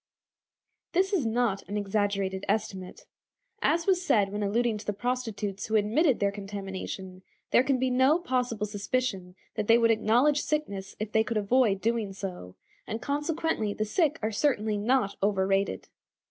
This is not an exaggerated estimate. As was said when alluding to the prostitutes who admitted their contamination, there can be no possible suspicion that they would acknowledge sickness if they could avoid doing so, and consequently the sick are certainly not overrated.